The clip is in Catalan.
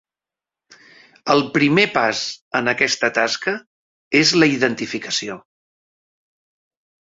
El primer pas en aquesta tasca és la identificació.